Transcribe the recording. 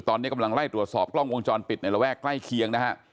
ตอนนี้กำลังไล่ตรวจสอบกล้องวงจรปิดในระแวกใกล้เคียงนะฮะ